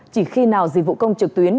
chỉ khi nào dịch vụ công trực tuyến